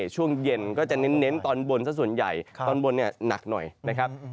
ช่วงเย็นก็จะเน้นตอนบนสักส่วนใหญ่ตอนบนเนี่ยหนักหน่อยนะครับ